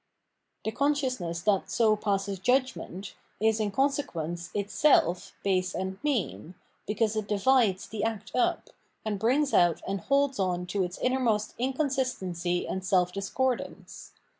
* The consciousness, that so passes judgment, is in con se(5[uence itsdf base and mean, because it divides the act up, and brings out and holds on to its inherent in consistency and self discordance.